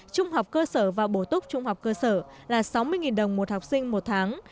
trung học cơ sở và bổ túc trung học cơ sở là sáu mươi đồng một học sinh một tháng